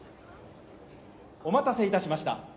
お待たせいたしました。